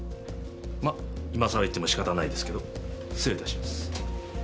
まあいまさら言ってもしかたないですけど失礼致します